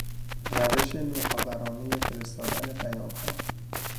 روش نوآورانهی فرستادن پیامها